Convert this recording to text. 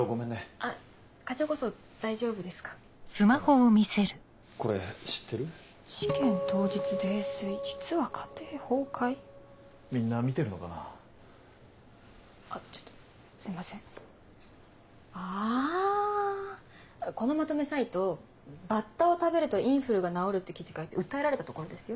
あこのまとめサイト「バッタを食べるとインフルが治る」って記事書いて訴えられた所ですよ。